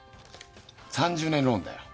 ３０年ローンだよ。